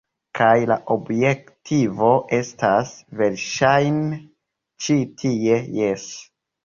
Kaj la objektivo estas, verŝajne, ĉi tie. Jes.